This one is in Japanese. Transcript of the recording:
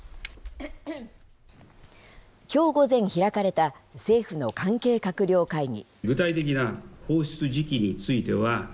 きょう午前開かれた政府の関係閣僚会議。